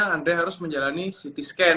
andre harus menjalani ct scan